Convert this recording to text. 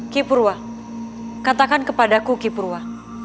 ki purwa katakan kepadaku ki purwa